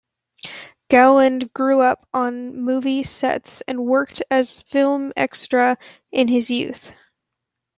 Gowland grew up on movie sets and worked as film extra in his youth.